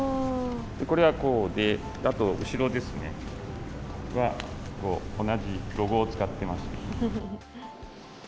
これがこうで、あと後ろは、同じロゴを使ってます。